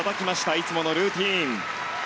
いつものルーティン。